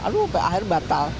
aduh akhirnya batal